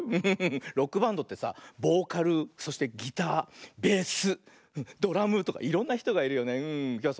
ロックバンドってさボーカルそしてギターベースドラムとかいろんなひとがいるよねうん。